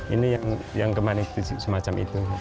ini yang kemarin semacam itu